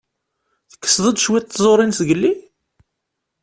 Tekkseḍ-d cwiṭ n tẓuṛin zgelli?